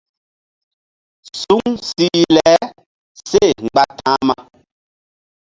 Suŋ sih le seh mgba ta̧hma.